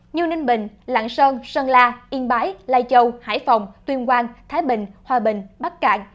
như ninh bình lạng sơn sơn la yên bái lai châu hải phòng tuyên quang thái bình hòa bình bắc cạn